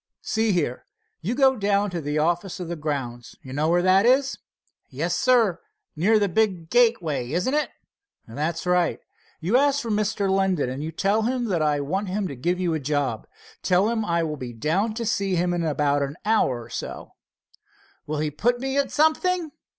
See here, you go down to the office of the grounds—know where it is?" "Yes, sir, near the big gateway, isn't it?" "That's right. You ask for Mr. Linden, and tell him I want him to give you a job. Tell him I will be down to see him about it in an hour or so." "Will he put me at something?"